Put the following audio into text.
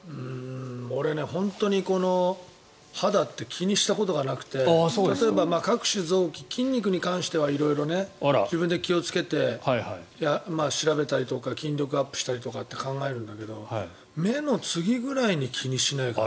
俺、本当に肌って気にしたことがなくて例えば各種臓器筋肉に関しては色々、自分で気をつけて調べたりとか筋力アップりしたりとかって考えると目の次ぐらいに気にしないかな。